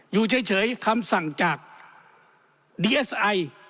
อยู่เฉยคำสั่งจากดีเอสไอ